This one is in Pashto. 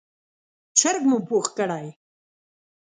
چرګ مو پوخ کړی،